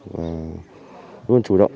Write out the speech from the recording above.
và luôn chủ động